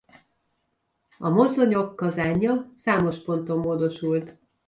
A mozdonyok kazánja számos ponton módosult.